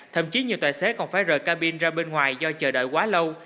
thậm chí nhiều tài xế còn phải rời cabin ra bên ngoài do chờ đợi quá lâu